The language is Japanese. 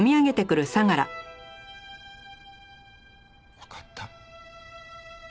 わかった。